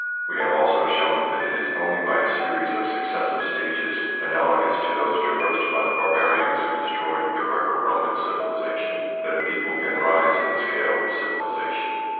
We have also shown that it is only by a series of successive stages, analogous to those traversed by the barbarians who destroyed the Greco Roman civilisation, that a people can rise in the scale of civilisation.